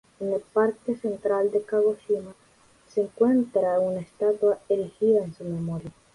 En el Parque Central de Kagoshima se encuentra una estatua erigida en su memoria.